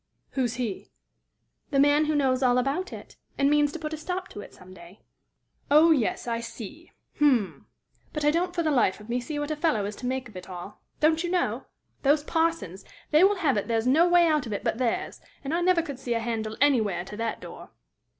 "Who's he?" "The man who knows all about it, and means to put a stop to it some day." "Oh, yes; I see! Hm! But I don't for the life of me see what a fellow is to make of it all don't you know? Those parsons! They will have it there's no way out of it but theirs, and I never could see a handle anywhere to that door!"